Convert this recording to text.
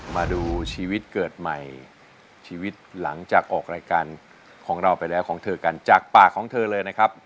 มาดูชีวิตเกิดใหม่ชีวิตหลังจากออกรายการของเราไปแล้วของเธอกันจากปากของเธอเลยนะครับ